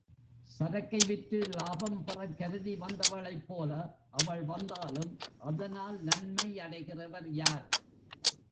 சரக்கை விற்று லாபம் பெறக் கருதி வந்தவளைப் போல அவள் வந்தாலும், அதனால் நன்மை அடைகிறவர் யார்?